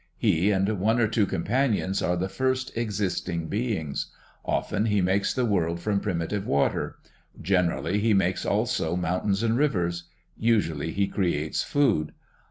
He and one or two companions are the first existing beings. Often he makes the world from primitive water. Generally he makes also mountains and rivers. Usually he creates food.